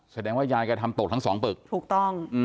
แสดงว่ายายแกทำตกทั้งสองปึกถูกต้อง